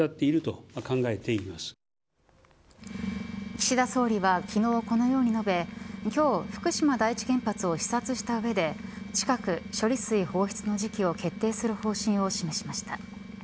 岸田総理は昨日このように述べ今日、福島第１原発を視察した上で近く、処理水放出の時期を決定する方針を示しました。